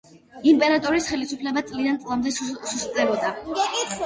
იმპერატორის ხელისუფლება წლიდან წლამდე სუსტდებოდა.